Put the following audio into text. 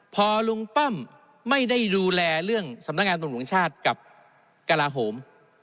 พอลุงป้อมไม่ได้ดูแลเรื่องสำนักงานตำรวจแห่งชาติกับกระลาโหม